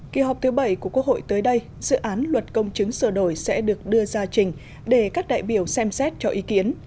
kỳ họp thứ bảy của quốc hội tới đây dự án luật công chứng sửa đổi sẽ được đưa ra trình để các đại biểu xem xét cho ý kiến